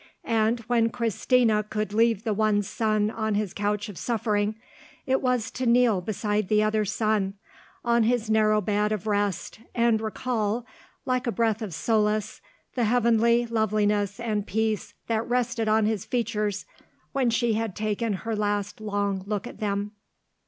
And, when Christina could leave the one son on his couch of suffering, it was to kneel beside the other son on his narrow bed of rest, and recall, like a breath of solace, the heavenly loveliness and peace that rested on his features when she had taken her last long look at them.